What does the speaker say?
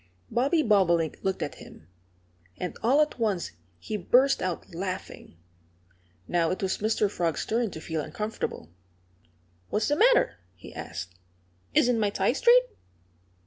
Bobby Bobolink looked at him. And all at once he burst out laughing. Now it was Mr. Frog's turn to feel uncomfortable. "What's the matter?" he asked. "Isn't my tie straight?"